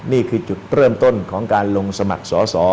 นี่คือจุดเริ่มต้นของการลงสมัครสอสอ